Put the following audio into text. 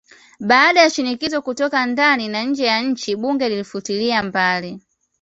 Baada ya shinikizo kutoka ndani na nje ya nchi bunge lilifutilia mbali